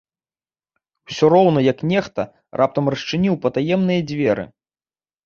Усё роўна як нехта раптам расчыніў патаемныя дзверы.